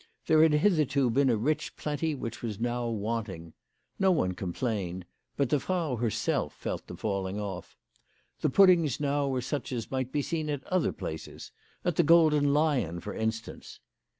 There had hitherto been a rich, plenty which was now wanting. JN^o one complained ; but the Frau herself felt the falling off. The puddings now were such as might be seen at other places, at the Golden Lion for instance.